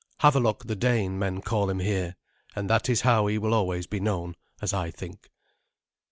Havelok the Dane men call him here, and that is how he will always be known, as I think.